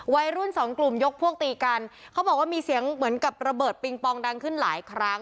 วัยรุ่นสองกลุ่มยกพวกตีกันเขาบอกว่ามีเสียงเหมือนกับระเบิดปิงปองดังขึ้นหลายครั้ง